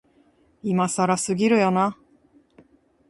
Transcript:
今更すぎるよな、